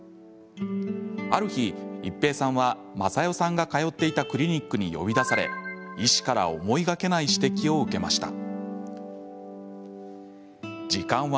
ある日、一平さんは雅代さんが通っていたクリニックに呼び出され、医師から思いがけない指摘を受けました。